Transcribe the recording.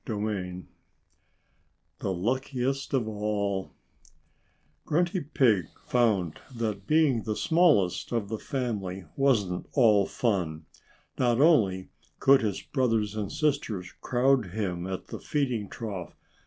XVIII THE LUCKIEST OF ALL Grunty Pig found that being the smallest of the family wasn't all fun. Not only could his brothers and sisters crowd him at the feeding trough.